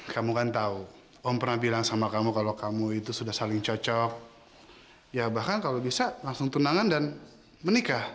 sampai jumpa di video selanjutnya